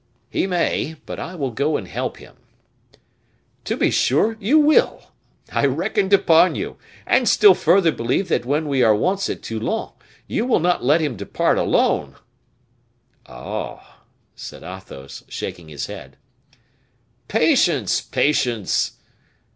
"He may; but I will go and help him." "To be sure you will; I reckoned upon you, and still further believe that when we are once at Toulon you will not let him depart alone." "Oh!" said Athos, shaking his head. "Patience! patience!"